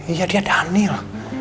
iya dia daniel